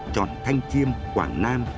chọn thanh chiêm quảng nam